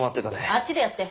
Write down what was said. あっちでやって。